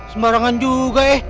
semarangan juga eh